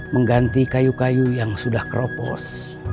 mengganti kayu kayu yang sudah keropos